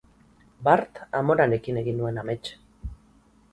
Bart amonarekin egin nuen amets.